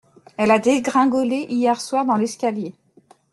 Elle a dégringolé hier soir dans l'escalier.